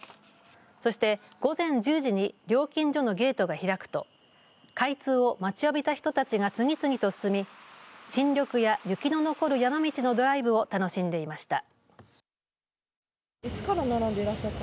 そして午前１０時に料金所のゲートが開くと開通を待ちわびた人たちが次々と進み新緑や雪の残る山道のドライブを楽しんでいました。